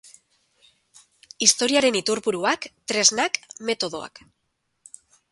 Historiaren iturburuak, tresnak, metodoak.